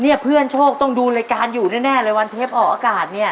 เพื่อนโชคต้องดูรายการอยู่แน่เลยวันเทปออกอากาศเนี่ย